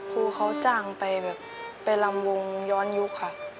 ครูเขาจ้างไปแบบไปลำวงย้อนยุคค่ะ